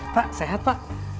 eh pak sehat pak